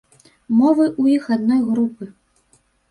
Мовы ў іх адной групы.